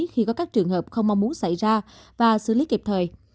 khi có các trường hợp không mong muốn xảy ra và xử lý kịp thời